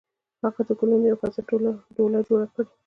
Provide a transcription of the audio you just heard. هغې د ګلونو یوه ښایسته ډوله جوړه کړې